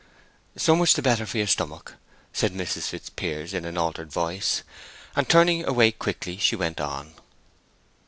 "So much the better for your stomach," said Mrs. Fitzpiers, in an altered voice. And turning away quickly, she went on.